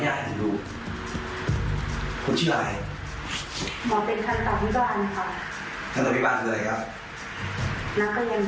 นักก็ยังแพทย์